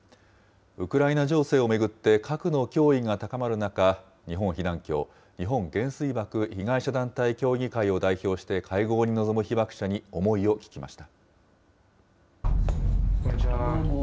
ウクライナ情勢を巡って核の脅威が高まる中、日本被団協・日本原水爆被害者団体協議会を代表して会合に臨む被爆者に思いを聞きました。